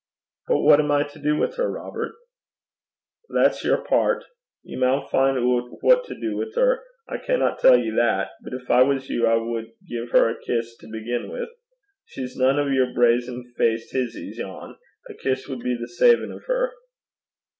'But what am I to do with her, Robert?' 'That's your pairt. Ye maun fin' oot what to do wi' her. I canna tell ye that. But gin I was you, I wad gie her a kiss to begin wi'. She's nane o' yer brazen faced hizzies, yon. A kiss wad be the savin' o' her.'